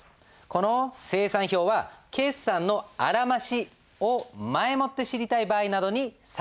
この精算表は決算のあらましを前もって知りたい場合などに作成します。